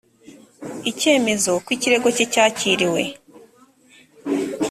icyemezo ko ikirego cye cyakiriwe